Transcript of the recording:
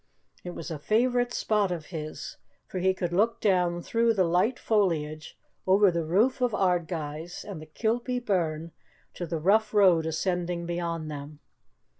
It was a favourite spot of his, for he could look down through the light foliage over the roof of Ardguys and the Kilpie burn to the rough road ascending beyond them.